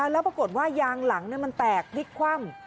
แล้วปรากฏว่ายางหลังมันแตกพลิกคว่ำ